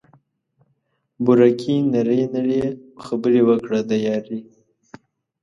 بوره ګي نري نري خبري وکړه د یاري